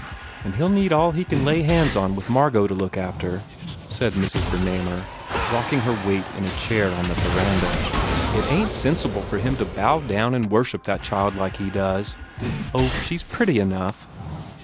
"And he ll need all he can lay hands on with Margot to look after," said Mrs. Bernamer, rocking her weight in a chair on the veranda, "It ain t sensible for him to to bow down and worship that child like he does. Oh, she s pretty enough!"